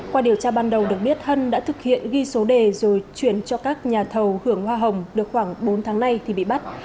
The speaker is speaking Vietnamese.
qua điều tra ban đầu được biết hân đã thực hiện ghi số đề rồi chuyển cho các nhà thầu hưởng hoa hồng được khoảng bốn tháng nay thì bị bắt